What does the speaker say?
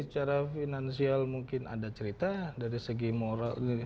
secara finansial mungkin ada cerita dari segi moral